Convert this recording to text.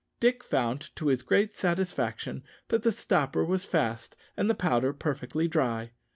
Dick found, to his great satisfaction, that the stopper was fast and the powder perfectly dry.